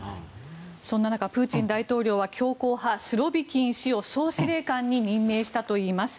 そんな中プーチン大統領は強硬派スロビキン氏を総司令官に任命したといいます。